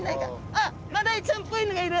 あっマダイちゃんぽいのがいる。